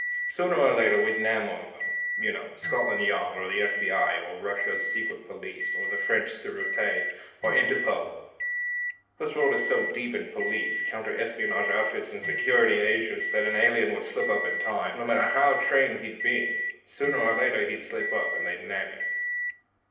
Sooner or later we'd nab one of them. You know, Scotland Yard, or the F.B.I., or Russia's secret police, or the French Sûreté, or Interpol. This world is so deep in police, counter espionage outfits and security agents that an alien would slip up in time, no matter how much he'd been trained. Sooner or later, he'd slip up, and they'd nab him."